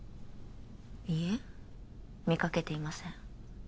いいえ見かけていません